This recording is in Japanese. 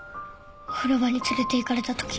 お風呂場に連れていかれたとき。